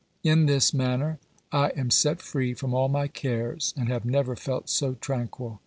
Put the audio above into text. In this manner I am set free from all my cares, and have never felt so tranquil.